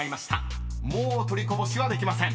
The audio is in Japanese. ［もう取りこぼしはできません］